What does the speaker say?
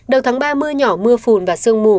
đầu tháng ba mưa nhỏ mưa phùn và sương mù